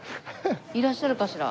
いらっしゃるかしら？